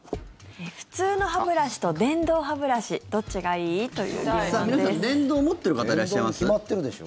普通の歯ブラシと電動歯ブラシどっちがいい？という疑問です。